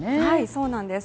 そうなんです。